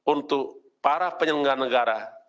untuk para penyelenggara negara